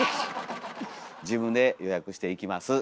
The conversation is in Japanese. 自分で予約して行きます。